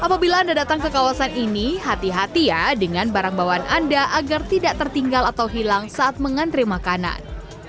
apabila anda datang ke kawasan ini hati hati ya dengan barang bawaan anda agar tidak tertinggal atau hilang saat mengantri makanan